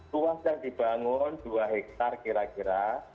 luas yang dibangun dua hektare kira kira